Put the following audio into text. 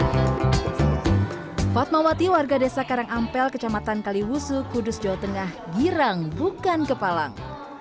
hai fatmawati warga desa karangampel kecamatan kaliwusu kudus jawa tengah girang bukan kepalang